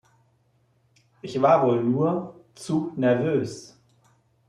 Ich war wohl nur zu nervös.